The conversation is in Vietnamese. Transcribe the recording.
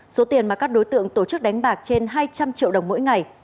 số tiền mà các đối tượng tổ chức đánh bạc trên hai trăm linh triệu đồng mỗi ngày